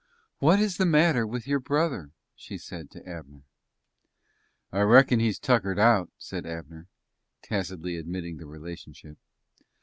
"What is the matter with your brother?" she said to Abner. "I reckon he's tuckered out," said Abner, tacitly admitting the relationship.